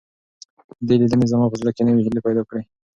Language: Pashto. دې لیدنې زما په زړه کې نوې هیلې پیدا کړې.